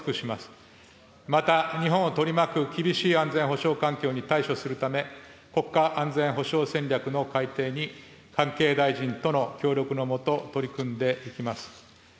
また、日本を取り巻く厳しい安全保障環境に対処するため、国家安全保障戦略の改定に関係大臣との協力の下、取り組んでいきます。